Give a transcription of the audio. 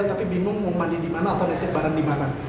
tapi bingung mau mandi di mana atau nanti barang di mana